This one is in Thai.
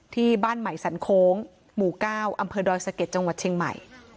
ที่บ้านใหม่สันโค้งหมู่๙อำเภอดอยสะเก็ดจังหวัดเชียงใหม่